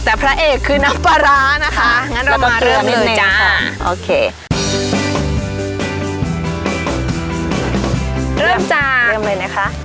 แต่พระเอกคือน้ำปลาร้านะคะ